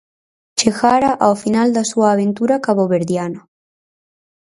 Chegara ao final da súa aventura caboverdiana.